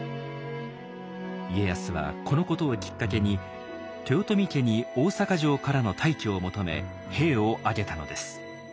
家康はこのことをきっかけに豊臣家に大坂城からの退去を求め兵を挙げたのです。